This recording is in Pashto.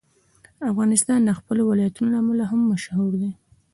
افغانستان د خپلو ولایتونو له امله هم مشهور دی.